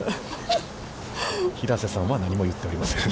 平瀬さんは何も言っておりません。